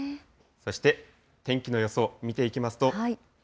そして天気の予想見ていきますと。